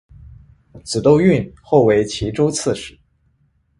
子窦恽后为岐州刺史。